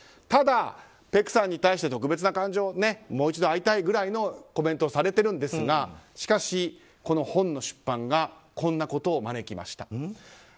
ただ、ペクさんに対して特別な感情はもう一度会いたいぐらいのコメントをされているんですがしかし、この本の出版がこんなことを招きました。